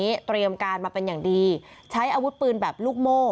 ตอนนี้เตรียมการมาเป็นอย่างดีใช้อาวุธปืนแบบลูกโม่